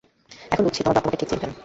এখন বুঝছি তোমার বাপ তোমাকে ঠিক চিনতেন।